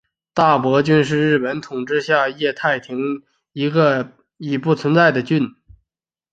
大泊郡是日本统治下的桦太厅的一个已不存在的郡。